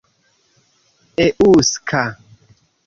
eŭska